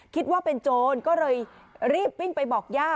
คิดว่าเป็นโจรก็เลยรีบวิ่งไปบอกย่า